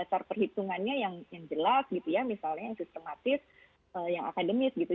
dasar perhitungannya yang jelas gitu ya misalnya yang sistematis yang akademis gitu